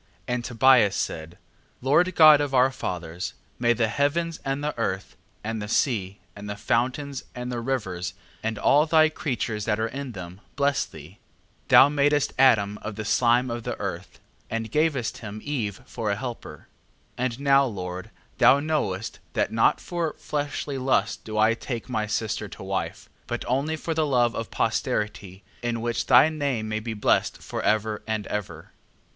And Tobias said: Lord God of our fathers, may the heavens and the earth, and the sea, and the fountains, and the rivers, and all thy creatures that are in them, bless thee. 8:8. Thou madest Adam of the slime of the earth, and gavest him Eve for a helper. 8:9. And now, Lord, thou knowest, that not for fleshly lust do I take my sister to wife, but only for the love of posterity, in which thy name may be blessed for ever and ever.